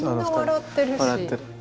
笑ってる。